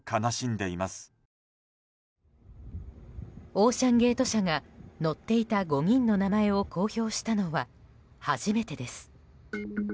オーシャン・ゲート社が乗っていた５人の名前を公表したのは初めてです。